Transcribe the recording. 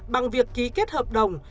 bằng việc ký kết hợp đồng